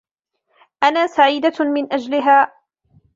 أنا سعيدة مِن أجلِها.